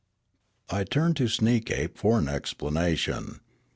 I turned to Sneekape for an explanation.